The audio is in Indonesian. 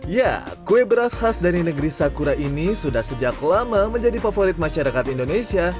ya kue beras khas dari negeri sakura ini sudah sejak lama menjadi favorit masyarakat indonesia